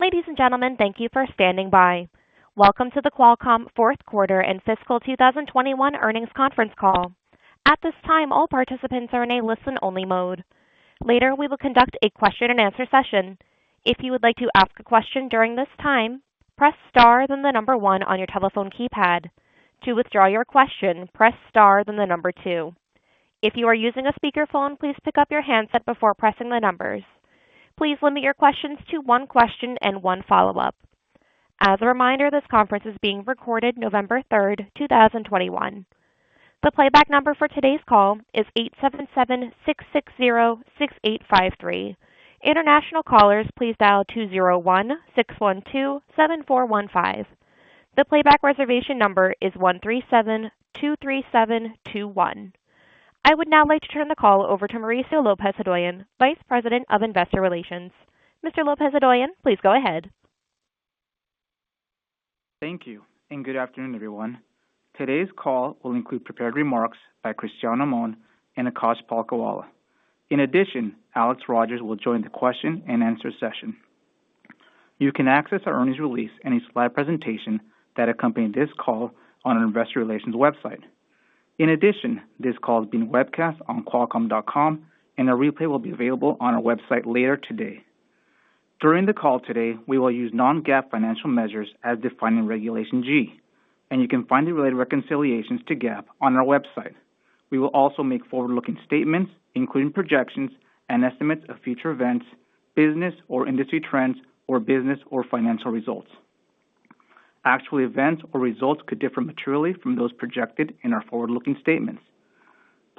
Ladies and gentlemen, thank you for standing by. Welcome to the Qualcomm Fourth Quarter and Fiscal 2021 Earnings Conference Call. At this time, all participants are in a listen-only mode. Later, we will conduct a question-and-answer session. If you would like to ask a question during this time, press star then the number one on your telephone keypad. To withdraw your question, press star then the number two. If you are using a speakerphone, please pick up your handset before pressing the numbers. Please limit your questions to one question and one follow-up. As a reminder, this conference is being recorded November 3, 2021. The playback number for today's call is 877-660-6853. International callers, please dial 201-612-7415. I would now like to turn the call over to Mauricio Lopez-Hodoyan, Vice President of Investor Relations. Mr. Lopez-Hodoyan, please go ahead. Thank you, and good afternoon, everyone. Today's call will include prepared remarks by Cristiano Amon and Akash Palkhiwala. In addition, Alex Rogers will join the question-and-answer session. You can access our earnings release and its live presentation that accompany this call on our investor relations website. In addition, this call is being webcast on qualcomm.com, and a replay will be available on our website later today. During the call today, we will use non-GAAP financial measures as defined in Regulation G, and you can find the related reconciliations to GAAP on our website. We will also make forward-looking statements, including projections and estimates of future events, business or industry trends, or business or financial results. Actual events or results could differ materially from those projected in our forward-looking statements.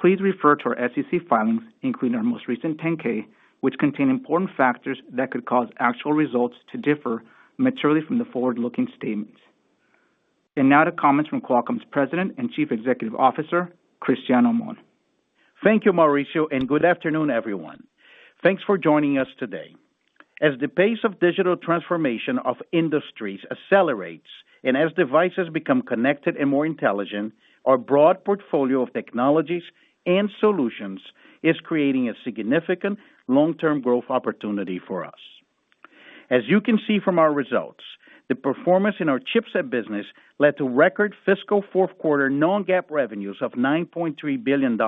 Please refer to our SEC filings, including our most recent 10-K, which contain important factors that could cause actual results to differ materially from the forward-looking statements. Now to comments from Qualcomm's President and Chief Executive Officer, Cristiano Amon. Thank you, Mauricio, and good afternoon, everyone. Thanks for joining us today. As the pace of digital transformation of industries accelerates and as devices become connected and more intelligent, our broad portfolio of technologies and solutions is creating a significant long-term growth opportunity for us. As you can see from our results, the performance in our chipset business led to record fiscal fourth quarter non-GAAP revenues of $9.3 billion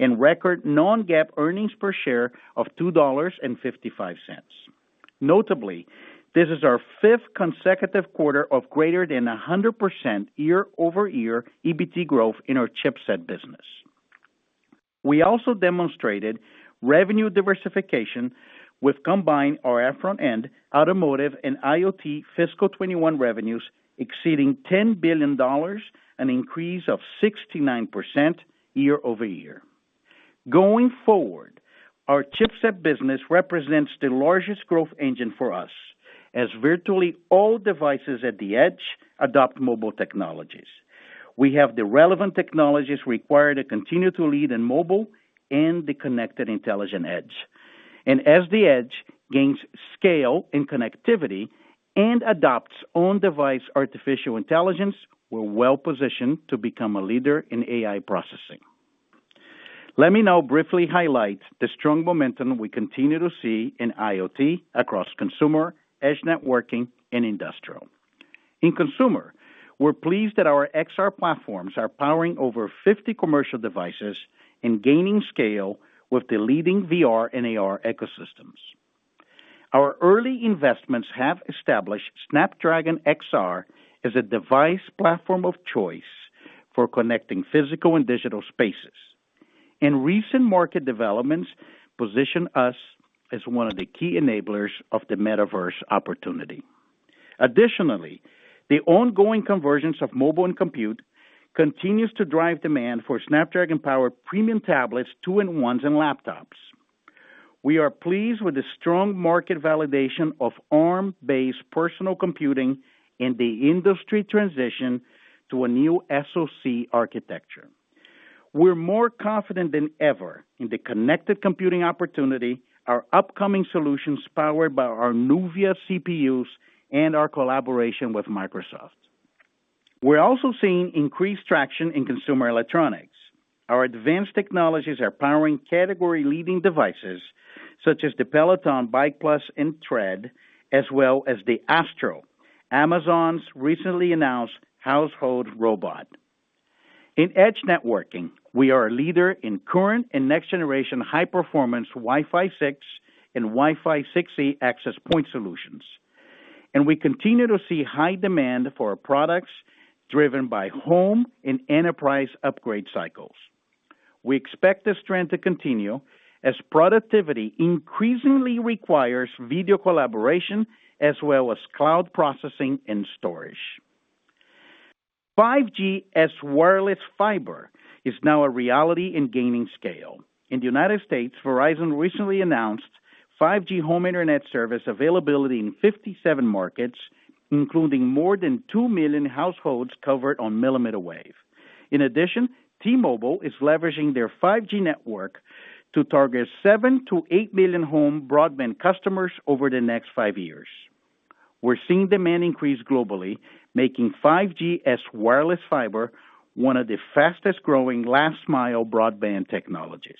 and record non-GAAP earnings per share of $2.55. Notably, this is our fifth consecutive quarter of greater than 100% year-over-year EBT growth in our chipset business. We also demonstrated revenue diversification with combined QTL RF front-end automotive and IoT fiscal 2021 revenues exceeding $10 billion, an increase of 69% year-over-year. Going forward, our chipset business represents the largest growth engine for us as virtually all devices at the edge adopt mobile technologies. We have the relevant technologies required to continue to lead in mobile and the connected intelligent edge. As the edge gains scale and connectivity and adopts on-device artificial intelligence, we're well-positioned to become a leader in AI processing. Let me now briefly highlight the strong momentum we continue to see in IoT across consumer, edge networking, and industrial. In consumer, we're pleased that our XR platforms are powering over 50 commercial devices and gaining scale with the leading VR and AR ecosystems. Our early investments have established Snapdragon XR as a device platform of choice for connecting physical and digital spaces. Recent market developments position us as one of the key enablers of the metaverse opportunity. Additionally, the ongoing convergence of mobile and compute continues to drive demand for Snapdragon-powered premium tablets, two-in-ones, and laptops. We are pleased with the strong market validation of Arm-based personal computing and the industry transition to a new SoC architecture. We're more confident than ever in the connected computing opportunity, our upcoming solutions powered by our Nuvia CPUs, and our collaboration with Microsoft. We're also seeing increased traction in consumer electronics. Our advanced technologies are powering category-leading devices such as the Peloton Bike+ and Tread, as well as the Astro, Amazon's recently announced household robot. In edge networking, we are a leader in current and next-generation high-performance Wi-Fi 6 and Wi-Fi 6E access point solutions. We continue to see high demand for our products driven by home and enterprise upgrade cycles. We expect this trend to continue as productivity increasingly requires video collaboration as well as cloud processing and storage. 5G as wireless fiber is now a reality in gaining scale. In the United States, Verizon recently announced 5G home internet service availability in 57 markets, including more than two million households covered on millimeter wave. In addition, T-Mobile is leveraging their 5G network to target 7-8 million home broadband customers over the next five years. We're seeing demand increase globally, making 5G as wireless fiber one of the fastest-growing last mile broadband technologies.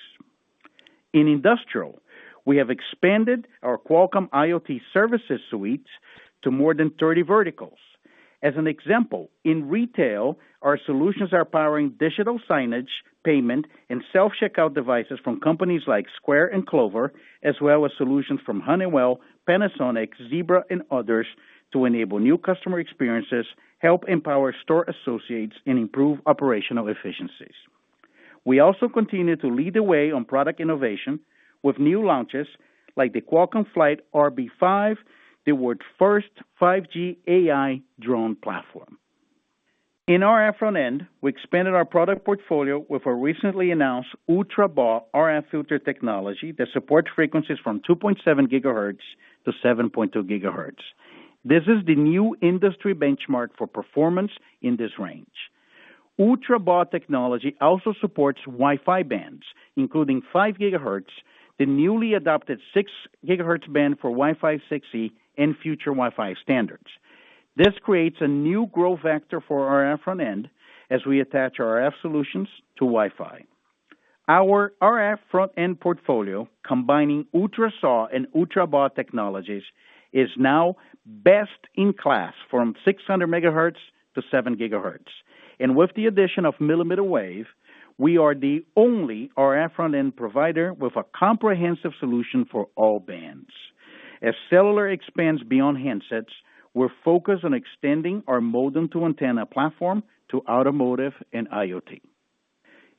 In industrial, we have expanded our Qualcomm IoT Services Suite to more than 30 verticals. As an example, in retail, our solutions are powering digital signage, payment, and self-checkout devices from companies like Square and Clover, as well as solutions from Honeywell, Panasonic, Zebra, and others to enable new customer experiences, help empower store associates, and improve operational efficiencies. We also continue to lead the way on product innovation with new launches like the Qualcomm Flight RB5, the world's first 5G AI drone platform. In RF front-end, we expanded our product portfolio with our recently announced ultraBAW RF filter technology that supports frequencies from 2.7 GHz to 7.2 GHz. This is the new industry benchmark for performance in this range. ultraBAW technology also supports Wi-Fi bands, including 5 GHz, the newly adopted 6 GHz band for Wi-Fi 6E and future Wi-Fi standards. This creates a new growth vector for RF front-end as we attach RF solutions to Wi-Fi. Our RF front-end portfolio, combining ultraSAW and ultraBAW technologies, is now best in class from 600 MHz to 7 GHz. With the addition of millimeter wave, we are the only RF front-end provider with a comprehensive solution for all bands. As cellular expands beyond handsets, we're focused on extending our modem to antenna platform to automotive and IoT.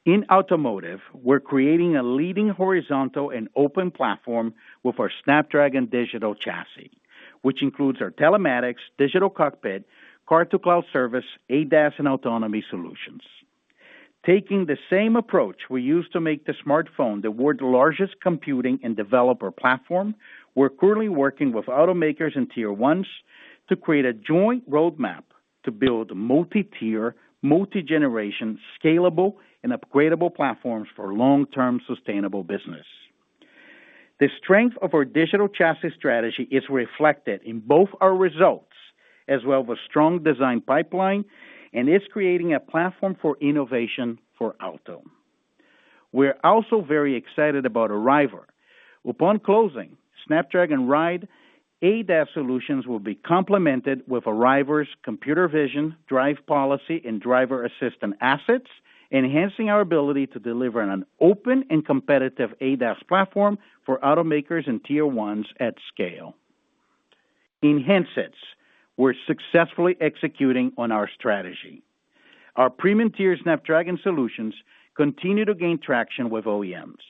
In automotive, we're creating a leading horizontal and open platform with our Snapdragon Digital Chassis, which includes our telematics, digital cockpit, car-to-cloud service, ADAS, and autonomy solutions. Taking the same approach we use to make the smartphone the world's largest computing and developer platform, we're currently working with automakers and Tier 1s to create a joint roadmap to build multi-tier, multi-generation, scalable, and upgradable platforms for long-term sustainable business. The strength of our digital chassis strategy is reflected in both our results as well as a strong design pipeline, and it's creating a platform for innovation for auto. We're also very excited about Arriver. Upon closing, Snapdragon Ride ADAS solutions will be complemented with Arriver's computer vision, drive policy, and driver assistant assets, enhancing our ability to deliver in an open and competitive ADAS platform for automakers and tier ones at scale. In handsets, we're successfully executing on our strategy. Our premium-tier Snapdragon solutions continue to gain traction with OEMs.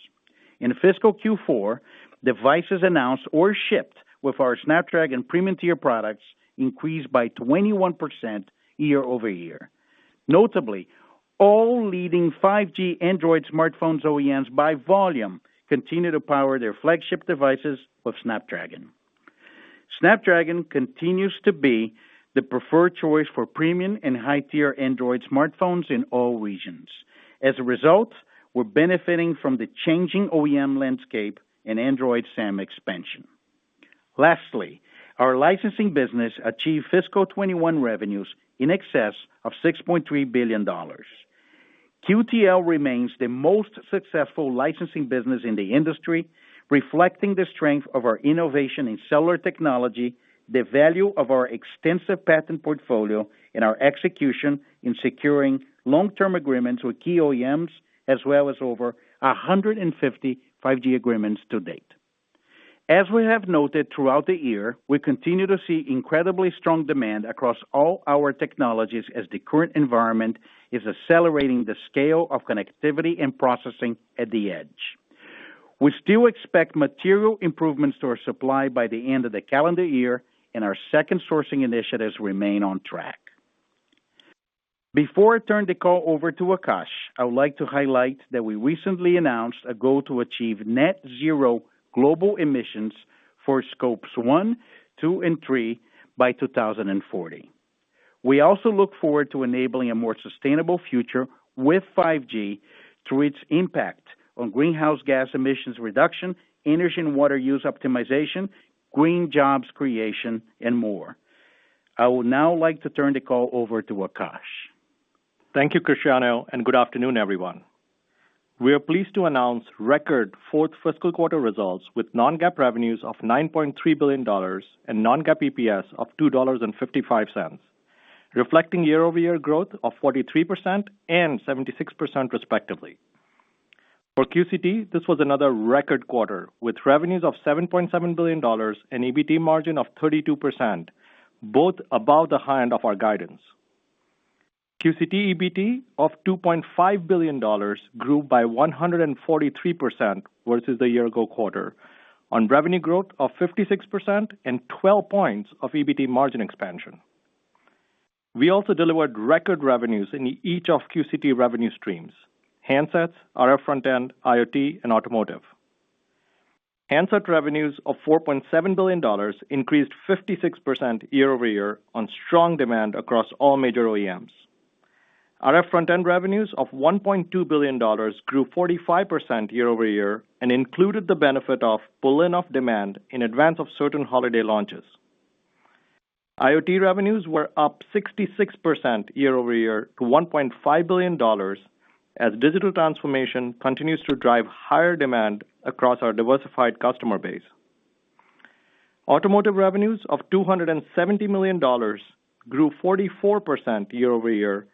In fiscal Q4, devices announced or shipped with our Snapdragon premium-tier products increased by 21% year-over-year. Notably, all leading 5G Android smartphone OEMs by volume continue to power their flagship devices with Snapdragon. Snapdragon continues to be the preferred choice for premium and high-tier Android smartphones in all regions. As a result, we're benefiting from the changing OEM landscape and Android SAM expansion. Lastly, our licensing business achieved fiscal 2021 revenues in excess of $6.3 billion. QTL remains the most successful licensing business in the industry, reflecting the strength of our innovation in cellular technology, the value of our extensive patent portfolio, and our execution in securing long-term agreements with key OEMs, as well as over 150 5G agreements to date. As we have noted throughout the year, we continue to see incredibly strong demand across all our technologies as the current environment is accelerating the scale of connectivity and processing at the edge. We still expect material improvements to our supply by the end of the calendar year, and our second sourcing initiatives remain on track. Before I turn the call over to Akash, I would like to highlight that we recently announced a goal to achieve net zero global emissions for scopes 1, 2, and 3 by 2040. We also look forward to enabling a more sustainable future with 5G through its impact on greenhouse gas emissions reduction, energy and water use optimization, green jobs creation, and more. I would now like to turn the call over to Akash. Thank you, Cristiano, and good afternoon, everyone. We are pleased to announce record fourth fiscal quarter results with non-GAAP revenues of $9.3 billion and non-GAAP EPS of $2.55, reflecting year-over-year growth of 43% and 76% respectively. For QCT, this was another record quarter with revenues of $7.7 billion and EBT margin of 32%, both above the high end of our guidance. QCT EBT of $2.5 billion grew by 143% versus the year ago quarter on revenue growth of 56% and 12 points of EBT margin expansion. We also delivered record revenues in each of QCT revenue streams, handsets, RF front-end, IoT, and automotive. Handset revenues of $4.7 billion increased 56% year-over-year on strong demand across all major OEMs. RF front-end revenues of $1.2 billion grew 45% year-over-year and included the benefit of pull-in of demand in advance of certain holiday launches. IoT revenues were up 66% year-over-year to $1.5 billion, as digital transformation continues to drive higher demand across our diversified customer base. Automotive revenues of $270 million grew 44% year-over-year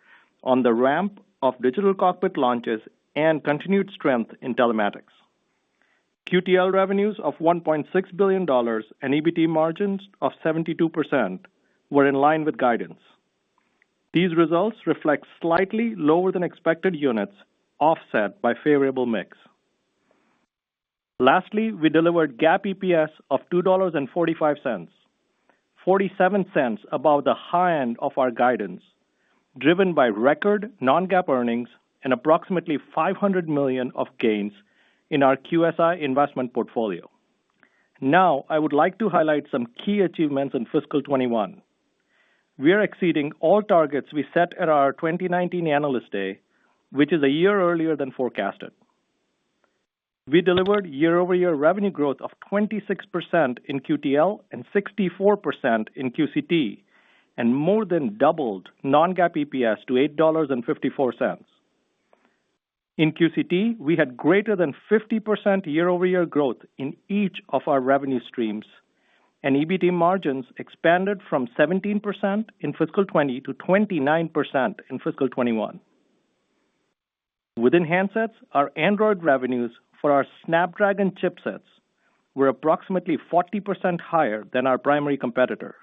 on the ramp of digital cockpit launches and continued strength in telematics. QTL revenues of $1.6 billion and EBT margins of 72% were in line with guidance. These results reflect slightly lower than expected units, offset by favorable mix. Lastly, we delivered GAAP EPS of $2.45, 47 cents above the high end of our guidance, driven by record non-GAAP earnings and approximately $500 million of gains in our QSI investment portfolio. Now, I would like to highlight some key achievements in fiscal 2021. We are exceeding all targets we set at our 2019 Analyst Day, which is a year earlier than forecasted. We delivered year-over-year revenue growth of 26% in QTL and 64% in QCT, and more than doubled non-GAAP EPS to $8.54. In QCT, we had greater than 50% year-over-year growth in each of our revenue streams, and EBT margins expanded from 17% in fiscal 2020 to 29% in fiscal 2021. Within handsets, our Android revenues for our Snapdragon chipsets were approximately 40% higher than our primary competitor.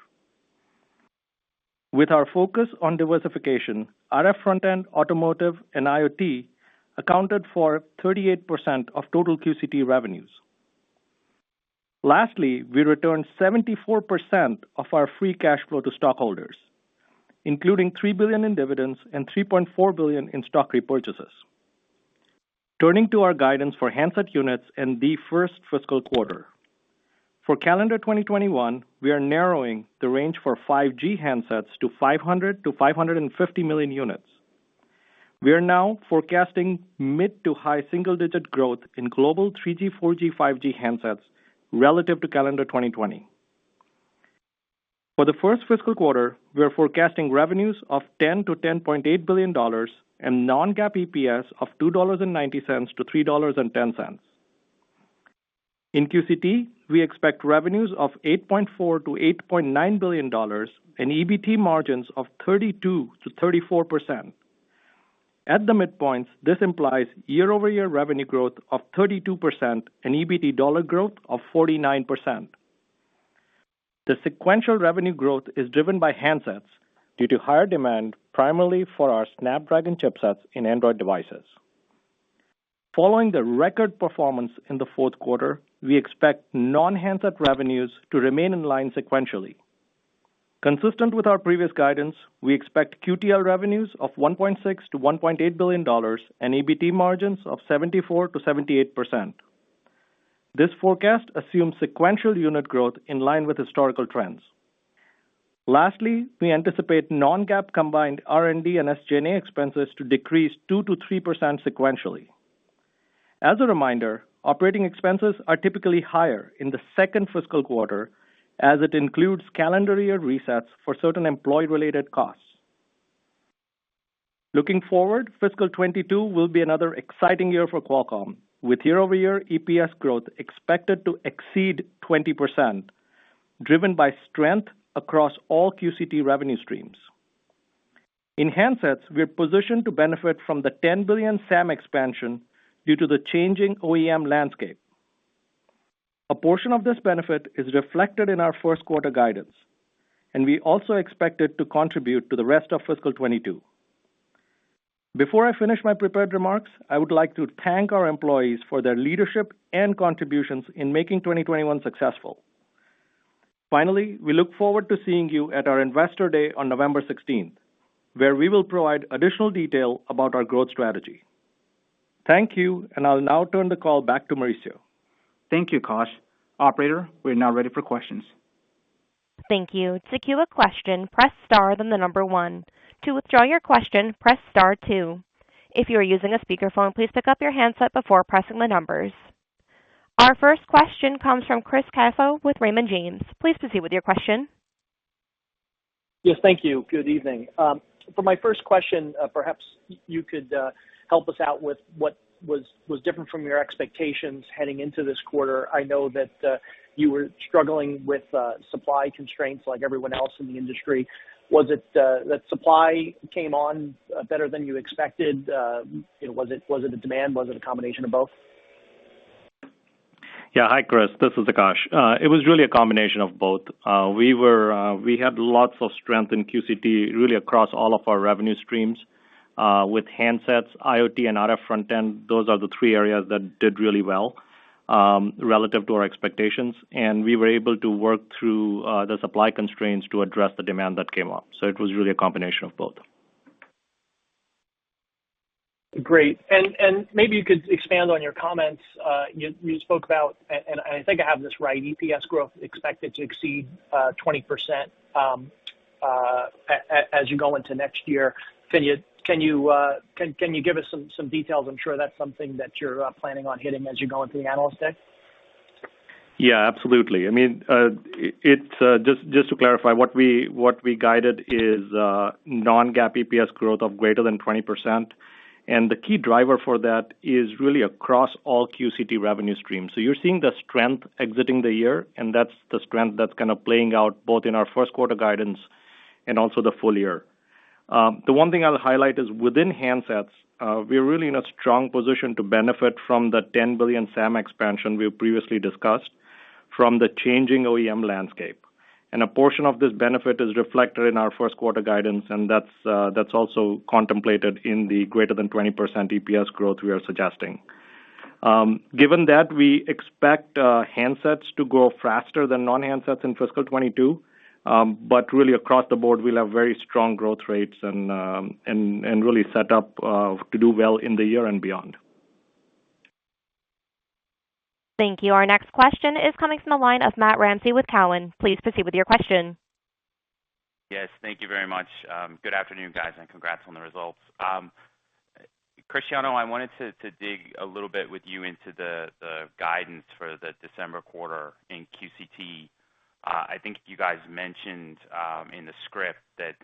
With our focus on diversification, RF front-end, automotive, and IoT accounted for 38% of total QCT revenues. We returned 74% of our free cash flow to stockholders, including $3 billion in dividends and $3.4 billion in stock repurchases. Turning to our guidance for handset units in the first fiscal quarter. For calendar 2021, we are narrowing the range for 5G handsets to 500-550 million units. We are now forecasting mid- to high single-digit growth in global 3G, 4G, 5G handsets relative to calendar 2020. For the first fiscal quarter, we are forecasting revenues of $10-$10.8 billion and non-GAAP EPS of $2.90-$3.10. In QCT, we expect revenues of $8.4 billion-$8.9 billion and EBT margins of 32%-34%. At the midpoints, this implies year-over-year revenue growth of 32% and EBT dollar growth of 49%. The sequential revenue growth is driven by handsets due to higher demand, primarily for our Snapdragon chipsets in Android devices. Following the record performance in the fourth quarter, we expect non-handset revenues to remain in line sequentially. Consistent with our previous guidance, we expect QTL revenues of $1.6 billion-$1.8 billion and EBT margins of 74%-78%. This forecast assumes sequential unit growth in line with historical trends. Lastly, we anticipate non-GAAP combined R&D and SG&A expenses to decrease 2%-3% sequentially. As a reminder, operating expenses are typically higher in the second fiscal quarter as it includes calendar year resets for certain employee-related costs. Looking forward, fiscal 2022 will be another exciting year for Qualcomm, with year-over-year EPS growth expected to exceed 20%, driven by strength across all QCT revenue streams. In handsets, we are positioned to benefit from the $10 billion SAM expansion due to the changing OEM landscape. A portion of this benefit is reflected in our first quarter guidance, and we also expect it to contribute to the rest of fiscal 2022. Before I finish my prepared remarks, I would like to thank our employees for their leadership and contributions in making 2021 successful. Finally, we look forward to seeing you at our Investor Day on November 16, where we will provide additional detail about our growth strategy. Thank you, and I'll now turn the call back to Mauricio. Thank you, Akash. Operator, we are now ready for questions. Thank you. To queue a question, press star then one. To withdraw your question, press star two. If you are using a speakerphone, please pick up your handset before pressing the numbers. Our first question comes from Chris Caso with Raymond James. Please proceed with your question. Yes, thank you. Good evening. For my first question, perhaps you could help us out with what was different from your expectations heading into this quarter. I know that you were struggling with supply constraints like everyone else in the industry. Was it that supply came on better than you expected? You know, was it the demand? Was it a combination of both? Yeah. Hi, Chris. This is Akash. It was really a combination of both. We had lots of strength in QCT, really across all of our revenue streams. With handsets, IoT, and RF front-end, those are the three areas that did really well, relative to our expectations. We were able to work through the supply constraints to address the demand that came up. It was really a combination of both. Great. Maybe you could expand on your comments you spoke about, and I think I have this right, EPS growth expected to exceed 20% as you go into next year. Can you give us some details? I'm sure that's something that you're planning on hitting as you go into the Analyst Day. Yeah, absolutely. I mean, it's just to clarify, what we guided is non-GAAP EPS growth of greater than 20%. The key driver for that is really across all QCT revenue streams. You're seeing the strength exiting the year, and that's the strength that's kind of playing out both in our first quarter guidance and also the full year. The one thing I'll highlight is within handsets, we're really in a strong position to benefit from the $10 billion SAM expansion we previously discussed from the changing OEM landscape. A portion of this benefit is reflected in our first quarter guidance, and that's also contemplated in the greater than 20% EPS growth we are suggesting. Given that, we expect handsets to grow faster than non-handsets in fiscal 2022. Really across the board, we'll have very strong growth rates and really set up to do well in the year and beyond. Thank you. Our next question is coming from the line of Matt Ramsay with Cowen. Please proceed with your question. Yes. Thank you very much. Good afternoon, guys, and congrats on the results. Cristiano, I wanted to dig a little bit with you into the guidance for the December quarter in QCT. I think you guys mentioned in the script that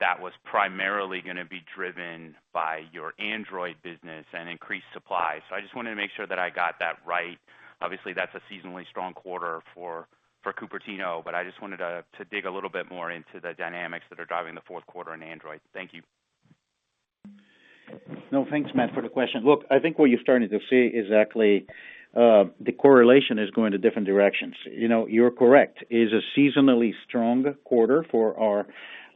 that was primarily gonna be driven by your Android business and increased supply. I just wanted to make sure that I got that right. Obviously, that's a seasonally strong quarter for Cupertino, but I just wanted to dig a little bit more into the dynamics that are driving the fourth quarter in Android. Thank you. No, thanks, Matt, for the question. Look, I think what you're starting to see is actually the correlation is going to different directions. You know, you're correct. It's a seasonally strong quarter for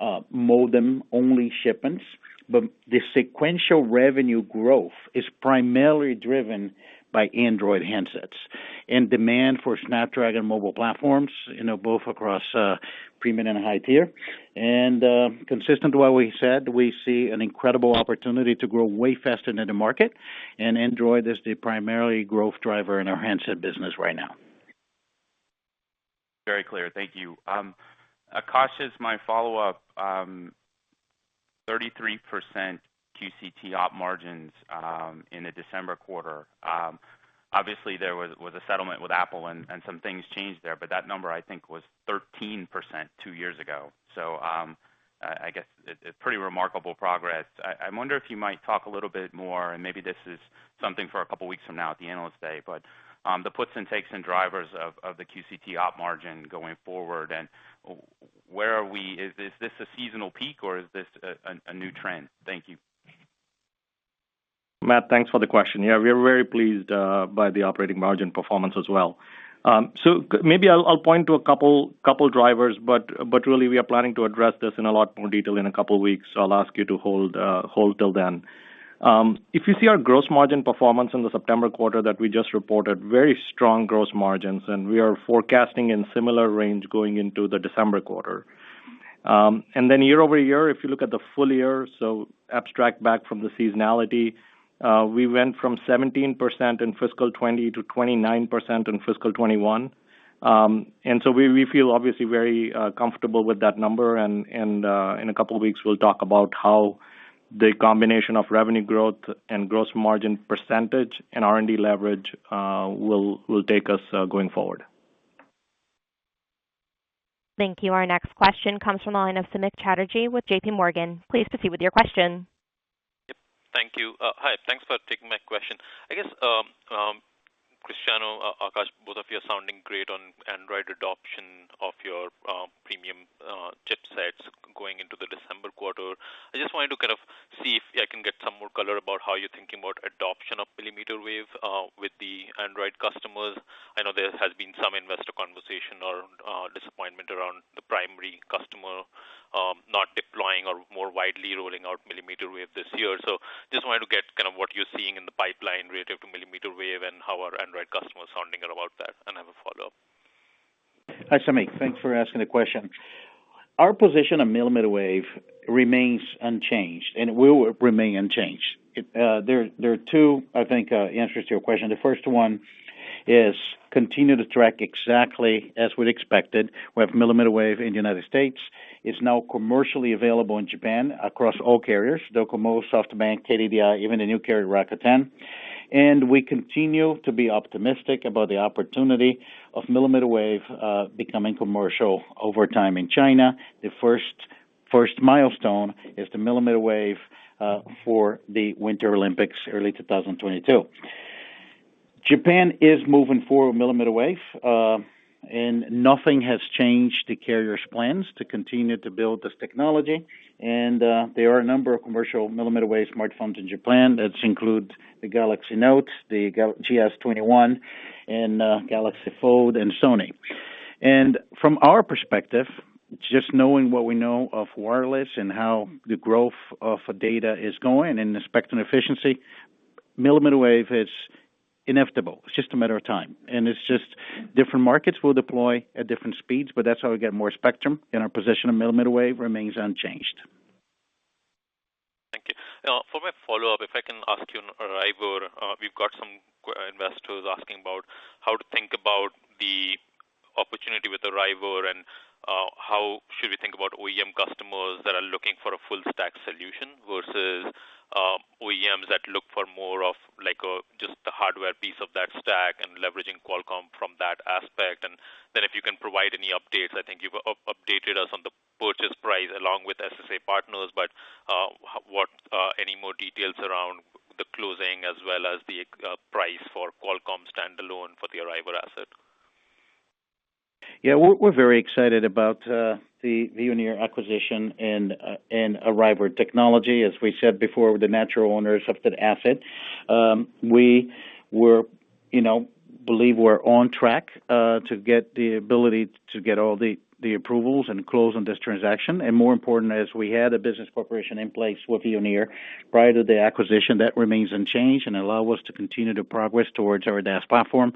our modem-only shipments. But the sequential revenue growth is primarily driven by Android handsets and demand for Snapdragon mobile platforms, you know, both across premium and high-tier. Consistent to what we said, we see an incredible opportunity to grow way faster than the market, and Android is the primary growth driver in our handset business right now. Very clear. Thank you. Akash, my follow-up, 33% QCT op margins in the December quarter. Obviously, there was a settlement with Apple and some things changed there, but that number, I think, was 13% two years ago. I guess it's pretty remarkable progress. I wonder if you might talk a little bit more, and maybe this is something for a couple weeks from now at the Analyst Day, but the puts and takes and drivers of the QCT op margin going forward, and where are we? Is this a seasonal peak, or is this a new trend? Thank you. Matt, thanks for the question. Yeah, we are very pleased by the operating margin performance as well. Maybe I'll point to a couple drivers, but really we are planning to address this in a lot more detail in a couple of weeks. I'll ask you to hold till then. If you see our gross margin performance in the September quarter that we just reported, very strong gross margins, and we are forecasting in similar range going into the December quarter. Then year-over-year, if you look at the full year, so abstract back from the seasonality, we went from 17% in fiscal 2020 to 29% in fiscal 2021. We feel obviously very comfortable with that number, and in a couple of weeks, we'll talk about how the combination of revenue growth and gross margin percentage and R&D leverage will take us going forward. Thank you. Our next question comes from the line of Samik Chatterjee with J.P. Morgan. Please proceed with your question. Yep. Thank you. Hi. Thanks for taking my question. I guess, Cristiano, Akash, both of you are sounding great on Android adoption of your premium chipsets going into the December quarter. I just wanted to kind of see if I can get some more color about how you're thinking about adoption of millimeter wave with the Android customers. I know there has been some investor conversation or disappointment around the primary customer not deploying or more widely rolling out millimeter wave this year. So just wanted to get kind of what you're seeing in the pipeline related to millimeter wave and how our Android customers are sounding about that. I have a follow-up. Hi, Samik. Thanks for asking the question. Our position on millimeter wave remains unchanged, and it will remain unchanged. There are two answers to your question. The first one is continue to track exactly as we'd expected with millimeter wave in the United States. It's now commercially available in Japan across all carriers, Docomo, SoftBank, KDDI, even the new carrier, Rakuten. We continue to be optimistic about the opportunity of millimeter wave becoming commercial over time in China. The first milestone is the millimeter wave for the Winter Olympics early 2022. Japan is moving forward with millimeter wave, and nothing has changed the carriers' plans to continue to build this technology. There are a number of commercial millimeter wave smartphones in Japan that include the Galaxy Note, the Galaxy S21, and Galaxy Z Fold and Sony. From our perspective, just knowing what we know of wireless and how the growth of data is going and the spectrum efficiency. Millimeter wave is inevitable. It's just a matter of time, and it's just different markets will deploy at different speeds, but that's how we get more spectrum, and our position in millimeter wave remains unchanged. Thank you. For my follow-up, if I can ask you on Arriver. We've got some investors asking about how to think about the opportunity with Arriver and, how should we think about OEM customers that are looking for a full stack solution versus, OEMs that look for more of like, a, just the hardware piece of that stack and leveraging Qualcomm from that aspect. If you can provide any updates. I think you've updated us on the purchase price along with SSW Partners, but, what, any more details around the closing as well as the, price for Qualcomm standalone for the Arriver asset? Yeah. We're very excited about the Veoneer acquisition and Arriver technology. As we said before, we're the natural owners of that asset. We believe we're on track to get all the approvals and close on this transaction. More important, as we had a business collaboration in place with Veoneer prior to the acquisition, that remains unchanged and allows us to continue to progress towards our ADAS platform.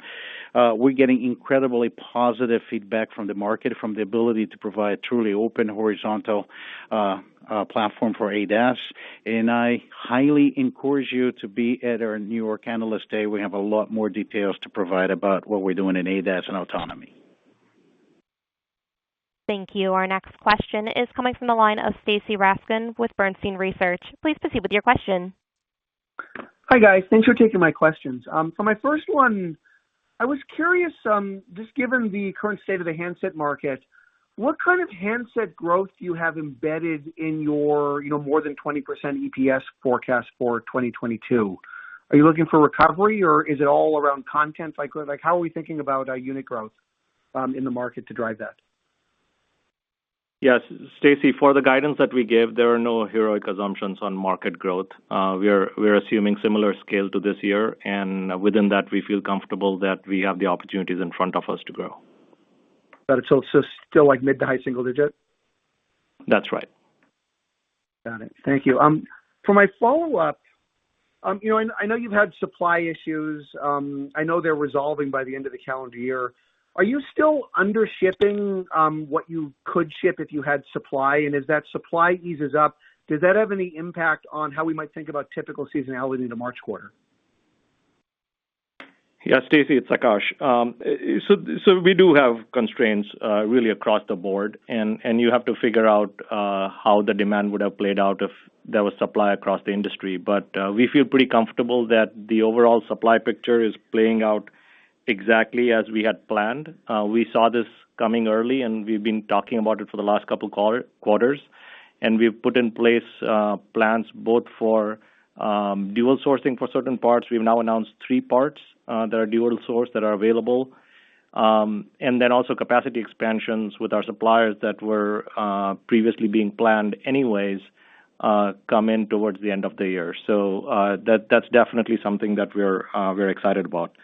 We're getting incredibly positive feedback from the market, from the ability to provide truly open horizontal platform for ADAS, and I highly encourage you to be at our New York Analyst Day. We have a lot more details to provide about what we're doing in ADAS and autonomy. Thank you. Our next question is coming from the line of Stacy Rasgon with Bernstein Research. Please proceed with your question. Hi, guys. Thanks for taking my questions. For my first one, I was curious, just given the current state of the handset market, what kind of handset growth do you have embedded in your, you know, more than 20% EPS forecast for 2022? Are you looking for recovery, or is it all around content cycle? Like, how are we thinking about unit growth in the market to drive that? Yes. Stacy, for the guidance that we gave, there are no heroic assumptions on market growth. We are assuming similar scale to this year, and within that, we feel comfortable that we have the opportunities in front of us to grow. It's still like mid- to high-single-digit? That's right. Got it. Thank you. For my follow-up, you know, and I know you've had supply issues. I know they're resolving by the end of the calendar year. Are you still under shipping, what you could ship if you had supply? As that supply eases up, does that have any impact on how we might think about typical seasonality in the March quarter? Yeah, Stacy, it's Akash. We do have constraints, really across the board. You have to figure out how the demand would have played out if there was supply across the industry. We feel pretty comfortable that the overall supply picture is playing out exactly as we had planned. We saw this coming early, and we've been talking about it for the last couple quarters. We've put in place plans both for dual sourcing for certain parts. We've now announced three parts that are dual source that are available. Also, capacity expansions with our suppliers that were previously being planned anyways come in towards the end of the year. That's definitely something that we're very excited about.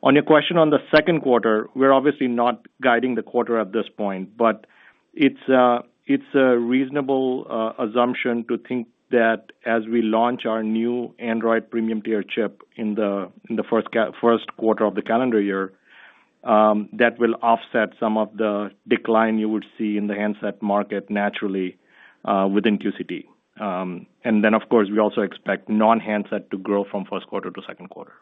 On your question on the second quarter, we're obviously not guiding the quarter at this point, but it's a reasonable assumption to think that as we launch our new Android premium tier chip in the first quarter of the calendar year, that will offset some of the decline you would see in the handset market naturally within QCT. Of course, we also expect non-handset to grow from first quarter to second quarter.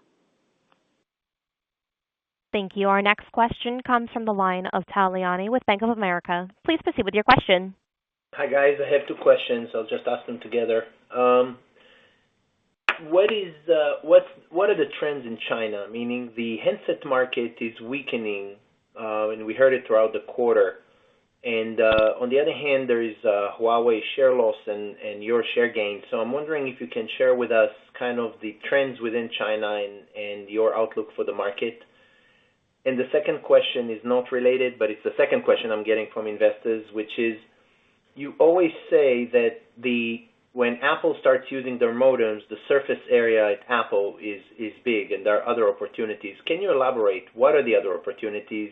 Thank you. Our next question comes from the line of Tal Liani with Bank of America. Please proceed with your question. Hi, guys. I have two questions. I'll just ask them together. What are the trends in China? Meaning the handset market is weakening, and we heard it throughout the quarter. On the other hand, there is a Huawei share loss and your share gain. I'm wondering if you can share with us kind of the trends within China and your outlook for the market. The second question is not related, but it's the second question I'm getting from investors, which is, you always say that when Apple starts using their modems, the surface area at Apple is big, and there are other opportunities. Can you elaborate, what are the other opportunities?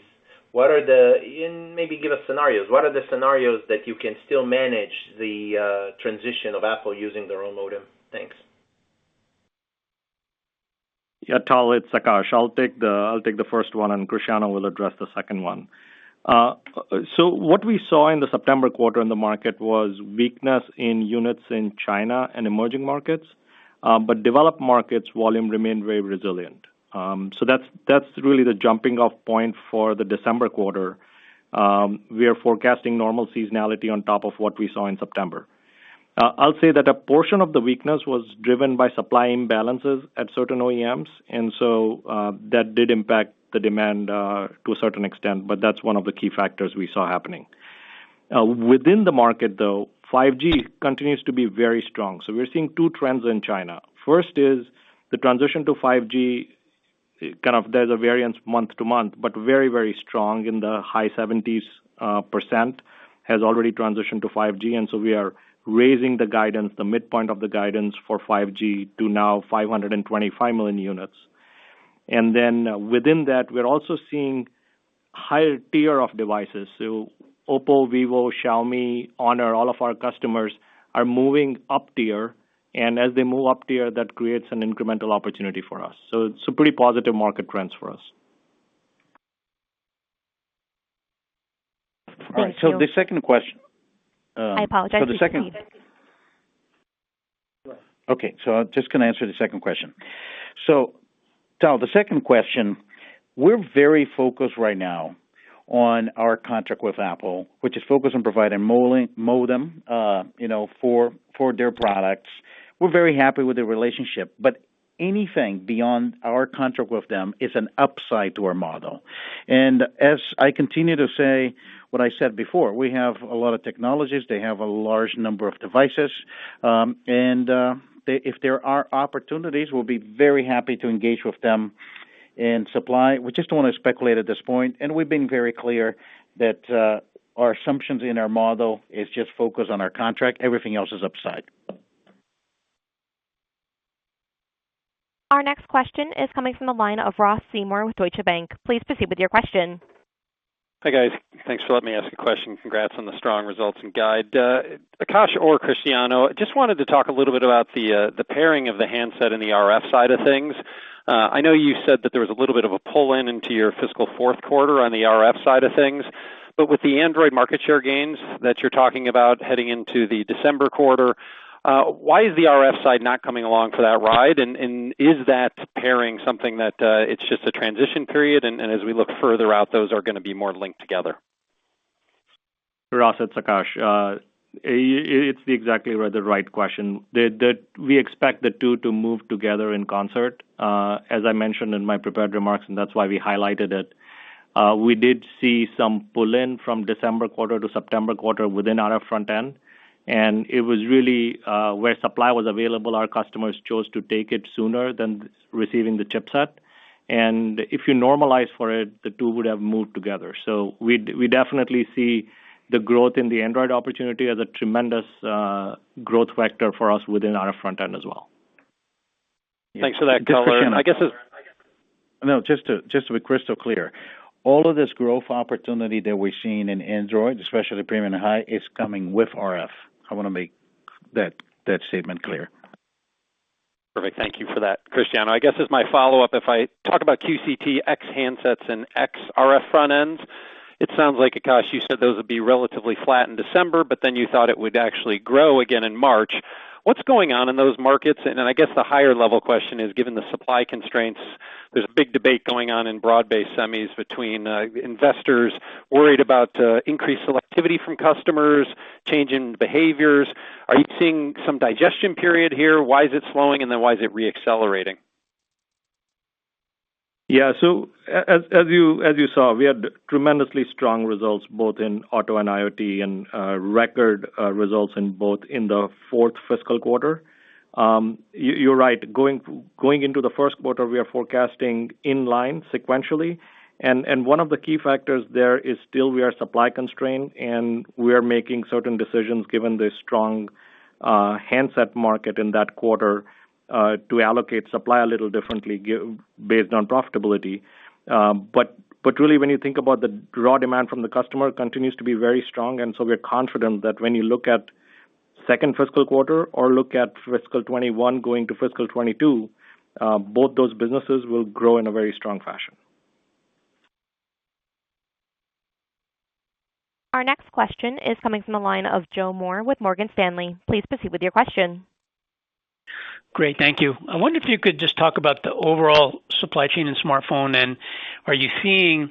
What are they? Maybe give us scenarios. What are the scenarios that you can still manage the, transition of Apple using their own modem? Thanks. Yeah, Tal, it's Akash. I'll take the first one, and Cristiano will address the second one. What we saw in the September quarter in the market was weakness in units in China and emerging markets. Developed markets volume remained very resilient. That's really the jumping off point for the December quarter. We are forecasting normal seasonality on top of what we saw in September. I'll say that a portion of the weakness was driven by supply imbalances at certain OEMs, and that did impact the demand to a certain extent, but that's one of the key factors we saw happening. Within the market, though, 5G continues to be very strong. We're seeing two trends in China. First is the transition to 5G. Kind of, there's a variance month-to-month, but very, very strong in the high 70s% has already transitioned to 5G. We are raising the guidance, the midpoint of the guidance for 5G to now 520 million units. Within that, we're also seeing higher tier of devices. OPPO, vivo, Xiaomi, HONOR, all of our customers are moving up tier. As they move up tier, that creates an incremental opportunity for us. It's a pretty positive market trends for us. Thank you. All right, so the second question. I apologize, please. Okay, I'm just going to answer the second question. To the second question. We're very focused right now on our contract with Apple, which is focused on providing modem for their products. We're very happy with the relationship, but anything beyond our contract with them is an upside to our model. As I continue to say what I said before, we have a lot of technologies. They have a large number of devices, and if there are opportunities, we'll be very happy to engage with them and supply. We just don't wanna speculate at this point, and we've been very clear that our assumptions in our model is just focused on our contract. Everything else is upside. Our next question is coming from the line of Ross Seymore with Deutsche Bank. Please proceed with your question. Hi, guys. Thanks for letting me ask a question. Congrats on the strong results and guide. Akash or Cristiano, just wanted to talk a little bit about the pairing of the handset and the RF side of things. I know you said that there was a little bit of a pull-in into your fiscal fourth quarter on the RF side of things, but with the Android market share gains that you're talking about heading into the December quarter, why is the RF side not coming along for that ride? Is that pairing something that it's just a transition period, and as we look further out, those are gonna be more linked together. Ross, it's Akash. It's exactly the right question. We expect the two to move together in concert, as I mentioned in my prepared remarks, and that's why we highlighted it. We did see some pull-in from December quarter to September quarter within RF front-end, and it was really where supply was available, our customers chose to take it sooner than receiving the chipset. And if you normalize for it, the two would have moved together. We definitely see the growth in the Android opportunity as a tremendous growth vector for us within RF front-end as well. Thanks for that color. I guess it's. No, just to be crystal clear, all of this growth opportunity that we're seeing in Android, especially premium and high, is coming with RF. I wanna make that statement clear. Perfect. Thank you for that. Cristiano, I guess as my follow-up, if I talk about QCT ex-handsets and ex-RF front-ends, it sounds like, Akash, you said those would be relatively flat in December, but then you thought it would actually grow again in March. What's going on in those markets? And then I guess the higher level question is, given the supply constraints, there's a big debate going on in broad-based semis between investors worried about increased selectivity from customers, change in behaviors. Are you seeing some digestion period here? Why is it slowing and then why is it re-accelerating? Yeah. As you saw, we had tremendously strong results both in auto and IoT and record results in both in the fourth fiscal quarter. You're right. Going into the first quarter, we are forecasting in line sequentially. One of the key factors there is still we are supply constrained, and we are making certain decisions, given the strong handset market in that quarter, to allocate supply a little differently based on profitability. But really, when you think about the raw demand from the customer continues to be very strong, and we're confident that when you look at second fiscal quarter or look at fiscal 2021 going to fiscal 2022, both those businesses will grow in a very strong fashion. Our next question is coming from the line of Joe Moore with Morgan Stanley. Please proceed with your question. Great. Thank you. I wonder if you could just talk about the overall supply chain in smartphones, and are you seeing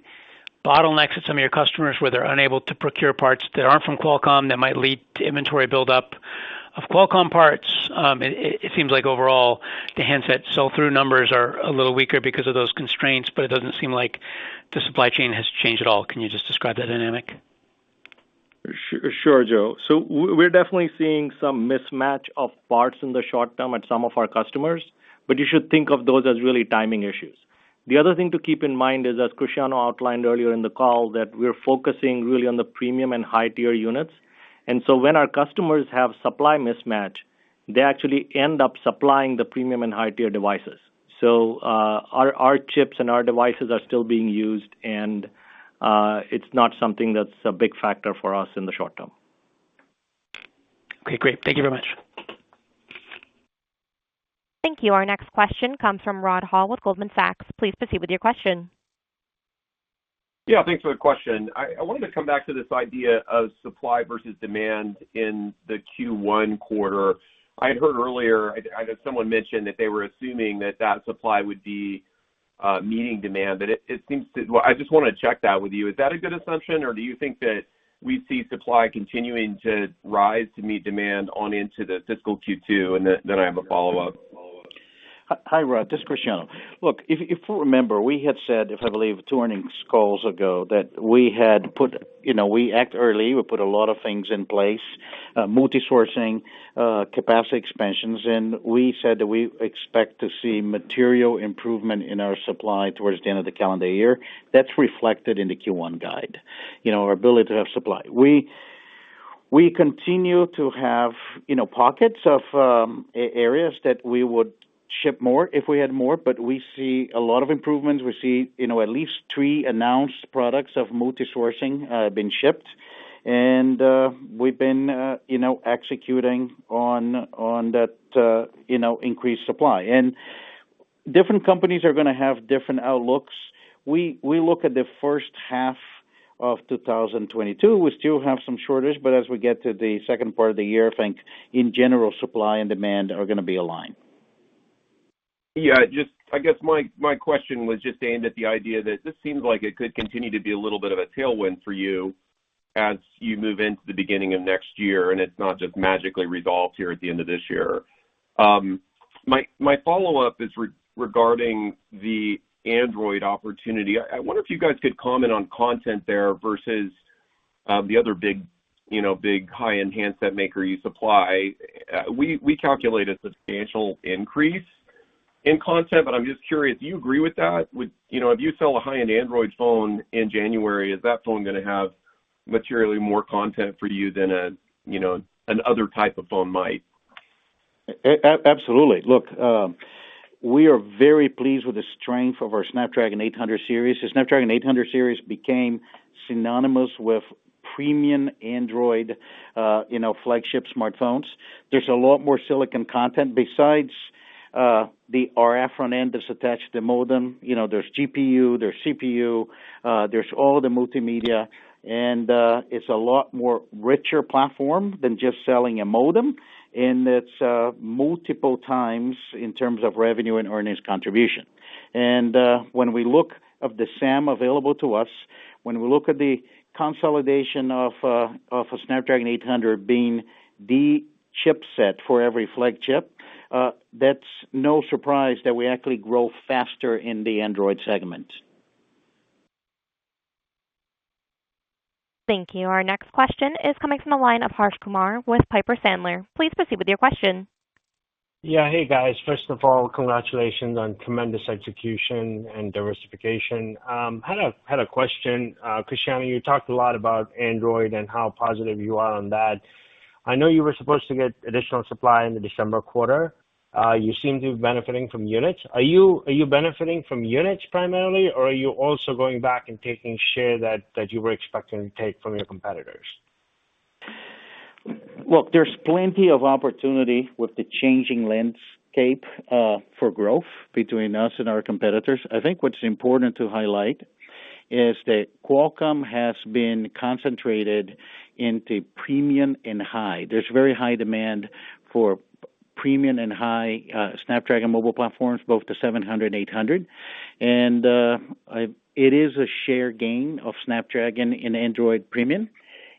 bottlenecks at some of your customers where they're unable to procure parts that aren't from Qualcomm that might lead to inventory buildup of Qualcomm parts? It seems like overall the handset sell-through numbers are a little weaker because of those constraints, but it doesn't seem like the supply chain has changed at all. Can you just describe that dynamic? Sure, Joe. We're definitely seeing some mismatch of parts in the short term at some of our customers, but you should think of those as really timing issues. The other thing to keep in mind is, as Cristiano Amon outlined earlier in the call, that we're focusing really on the premium and high-tier units. When our customers have supply mismatch, they actually end up supplying the premium and high-tier devices. Our chips and our devices are still being used, and it's not something that's a big factor for us in the short term. Okay, great. Thank you very much. Thank you. Our next question comes from Rod Hall with Goldman Sachs. Please proceed with your question. Yeah, thanks for the question. I wanted to come back to this idea of supply versus demand in the Q1 quarter. I had heard earlier. I know someone mentioned that they were assuming that supply would be meeting demand. Well, I just wanna check that with you. Is that a good assumption, or do you think that we see supply continuing to rise to meet demand on into the fiscal Q2? I have a follow-up. Hi, Rod. This is Cristiano Amon. Look, if you remember, we had said, if I believe, two earnings calls ago, that we acted early. We put a lot of things in place, multi-sourcing, capacity expansions, and we said that we expect to see material improvement in our supply towards the end of the calendar year. That's reflected in the Q1 guide, you know, our ability to have supply. We continue to have, you know, pockets of, areas that we would ship more if we had more, but we see a lot of improvements. We see, you know, at least three announced products of multi-sourcing being shipped. And we've been, you know, executing on that, you know, increased supply. And different companies are gonna have different outlooks. We look at the first half of 2022, we still have some shortage, but as we get to the second part of the year, I think in general, supply and demand are gonna be aligned. Yeah, just I guess my question was just aimed at the idea that this seems like it could continue to be a little bit of a tailwind for you as you move into the beginning of next year, and it's not just magically resolved here at the end of this year. My follow-up is regarding the Android opportunity. I wonder if you guys could comment on content there versus the other big, you know, big high-end handset maker you supply. We calculate a substantial increase in content, but I'm just curious, do you agree with that? You know, if you sell a high-end Android phone in January, is that phone gonna have materially more content for you than a, you know, another type of phone might? Absolutely. Look, we are very pleased with the strength of our Snapdragon 800 series. The Snapdragon 800 series became synonymous with premium Android, you know, flagship smartphones. There's a lot more silicon content besides the RF front-end that's attached to the modem. You know, there's GPU, there's CPU, there's all the multimedia, and it's a lot more richer platform than just selling a modem. It's multiple times in terms of revenue and earnings contribution. When we look at the SAM available to us, when we look at the consolidation of the Snapdragon 800 being the chipset for every flagship, that's no surprise that we actually grow faster in the Android segment. Thank you. Our next question is coming from the line of Harsh Kumar with Piper Sandler. Please proceed with your question. Yeah. Hey, guys. First of all, congratulations on tremendous execution and diversification. Had a question. Cristiano, you talked a lot about Android and how positive you are on that. I know you were supposed to get additional supply in the December quarter. You seem to be benefiting from units. Are you benefiting from units primarily, or are you also going back and taking share that you were expecting to take from your competitors? Look, there's plenty of opportunity with the changing landscape for growth between us and our competitors. I think what's important to highlight is that Qualcomm has been concentrated in the premium and high. There's very high demand for premium and high Snapdragon mobile platforms, both the 700 and 800. It is a share gain of Snapdragon in Android premium,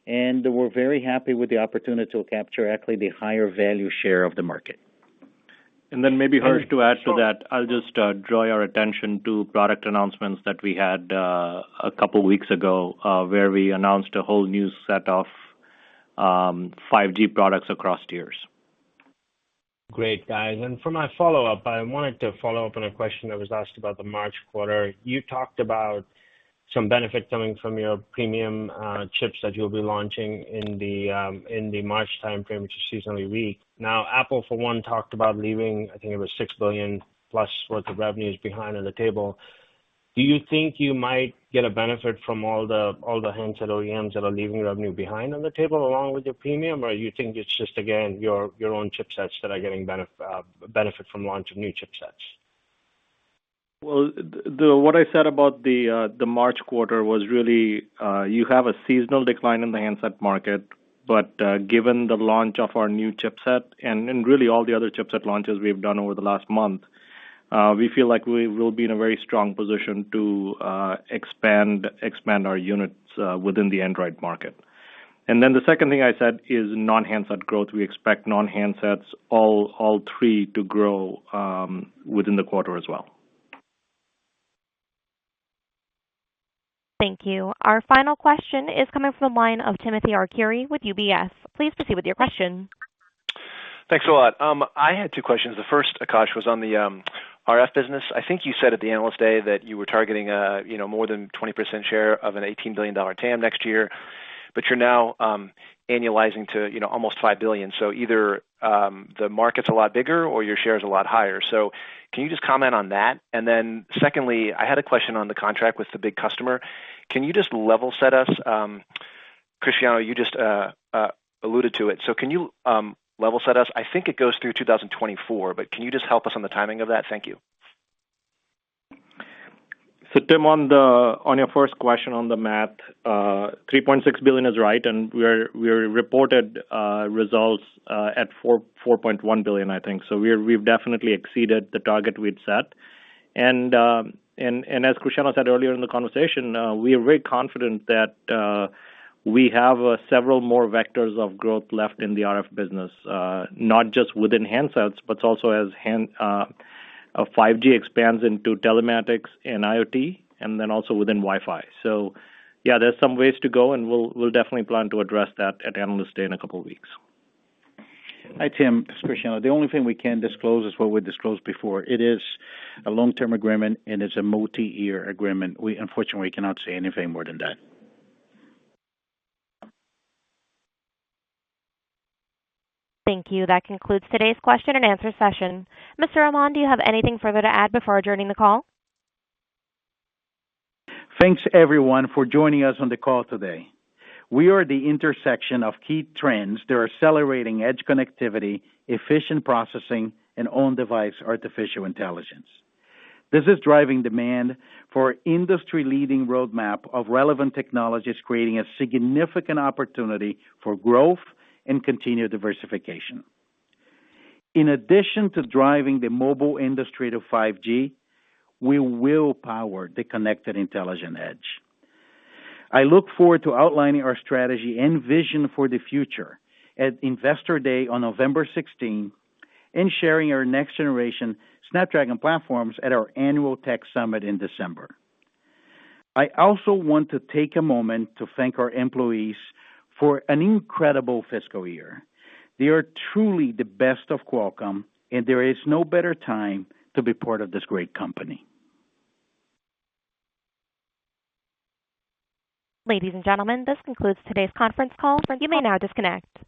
and we're very happy with the opportunity to capture actually the higher value share of the market. Maybe, Harsh, to add to that, I'll just draw your attention to product announcements that we had a couple weeks ago, where we announced a whole new set of 5G products across tiers. Great, guys. For my follow-up, I wanted to follow up on a question that was asked about the March quarter. You talked about some benefit coming from your premium chips that you'll be launching in the March timeframe, which is seasonally weak. Now, Apple, for one, talked about leaving, I think it was $6 billion+ worth of revenues behind on the table. Do you think you might get a benefit from all the handset OEMs that are leaving revenue behind on the table along with your premium, or you think it's just, again, your own chipsets that are getting benefit from launch of new chipsets? Well, what I said about the March quarter was really you have a seasonal decline in the handset market. Given the launch of our new chipset and really all the other chipset launches we've done over the last month, we feel like we will be in a very strong position to expand our units within the Android market. The second thing I said is non-handset growth. We expect non-handsets, all three to grow within the quarter as well. Thank you. Our final question is coming from the line of Timothy Arcuri with UBS. Please proceed with your question. Thanks a lot. I had two questions. The first, Akash, was on the RF business. I think you said at the Analyst Day that you were targeting more than 20% share of an $18 billion TAM next year. But you're now annualizing to almost $5 billion. So either the market's a lot bigger or your share is a lot higher. So can you just comment on that? Secondly, I had a question on the contract with the big customer. Can you just level set us, Cristiano? You just alluded to it. So can you level set us? I think it goes through 2024, but can you just help us on the timing of that? Thank you. Tim, on your first question on the math, $3.6 billion is right, and we reported results at $4.1 billion, I think. We've definitely exceeded the target we'd set. As Cristiano said earlier in the conversation, we are very confident that we have several more vectors of growth left in the RF business, not just within handsets, but also as 5G expands into telematics and IoT and then also within Wi-Fi. Yeah, there's some ways to go, and we'll definitely plan to address that at Analyst Day in a couple of weeks. Hi, Tim. It's Cristiano. The only thing we can disclose is what we disclosed before. It is a long-term agreement, and it's a multi-year agreement. We unfortunately cannot say anything more than that. Thank you. That concludes today's question and answer session. Mr. Amon, do you have anything further to add before adjourning the call? Thanks, everyone, for joining us on the call today. We are at the intersection of key trends that are accelerating edge connectivity, efficient processing, and on-device artificial intelligence. This is driving demand for industry-leading roadmap of relevant technologies, creating a significant opportunity for growth and continued diversification. In addition to driving the mobile industry to 5G, we will power the connected intelligent edge. I look forward to outlining our strategy and vision for the future at Investor Day on November 16 and sharing our next generation Snapdragon platforms at our annual Tech Summit in December. I also want to take a moment to thank our employees for an incredible fiscal year. They are truly the best of Qualcomm, and there is no better time to be part of this great company. Ladies and gentlemen, this concludes today's conference call. You may now disconnect.